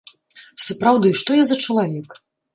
Сапраўды, што я за чалавек!